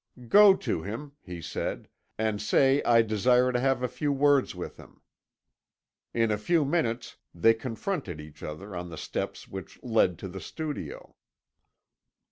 "'Go to him,' he said, 'and say I desire to have a few words with him.' "In a few minutes they confronted each other on the steps which led to the studio.